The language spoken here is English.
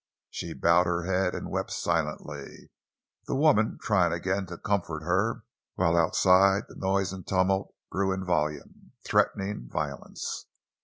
She bowed her head and wept silently, the woman trying again to comfort her, while outside the noise and tumult grew in volume—threatening violence.